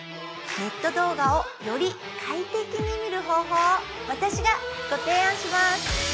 ネット動画をより快適に見る方法を私がご提案します